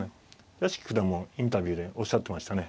屋敷九段もインタビューでおっしゃってましたね